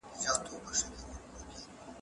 که سیند وچ شي نو شاعر به خپل لالی ومومي.